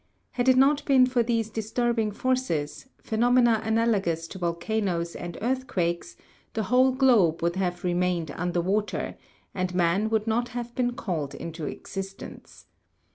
Had it not been for these disturbing forces, phenomena analogous to volcanoes and earthquakes, the whole globe would have remained under water, and man would not have been called into existence.